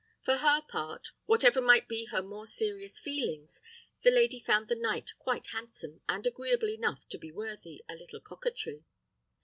For her part, whatever might be her more serious feelings, the lady found the knight quite handsome and agreeable enough to be worthy a little coquetry.